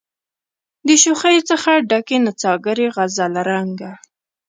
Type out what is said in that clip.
د شوخیو څخه ډکي نڅاګرې غزل رنګه